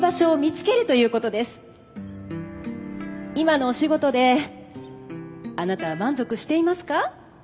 今のお仕事であなたは満足していますか？